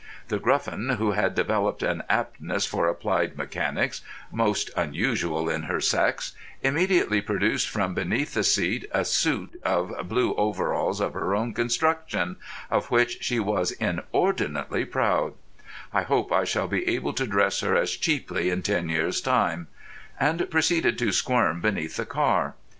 The Gruffin, who had developed an aptness for applied mechanics most unusual in her sex, immediately produced from beneath the seat a suit of blue overalls of her own construction, of which she was inordinately proud—I hope I shall be able to dress her as cheaply in ten years' time—and proceeded to squirm beneath the car.